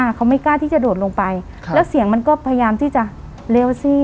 เขาไม่กล้าที่จะโดดลงไปครับแล้วเสียงมันก็พยายามที่จะเลวซี่